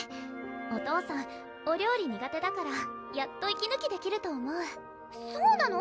お父さんお料理苦手だからやっと息ぬきできると思うそうなの？